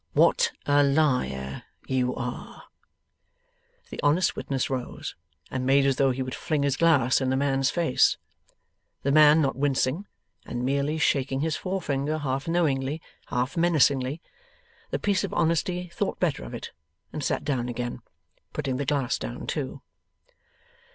'What a liar you are!' The honest witness rose, and made as though he would fling his glass in the man's face. The man not wincing, and merely shaking his forefinger half knowingly, half menacingly, the piece of honesty thought better of it and sat down again, putting the glass down too.